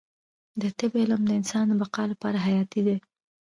د طب علم د انسان د بقا لپاره حیاتي دی